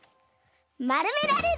「まるめられる」。